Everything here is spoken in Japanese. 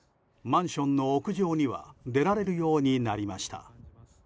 マンションの屋上には出られるようになりました。